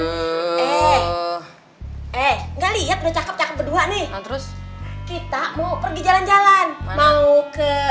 oke eh enggak lihat udah cakep cakep kedua nih terus kita mau pergi jalan jalan mau ke